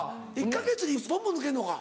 １か月に１本も抜けんのか。